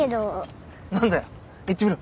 何だよ言ってみろ。